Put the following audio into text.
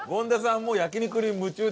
もう焼肉に夢中で。